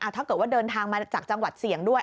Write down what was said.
ถ้าเกิดว่าเดินทางมาจากจังหวัดเสี่ยงด้วย